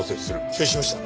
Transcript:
承知しました。